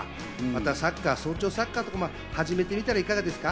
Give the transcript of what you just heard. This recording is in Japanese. また早朝サッカーとか始めてみたらいかがですか？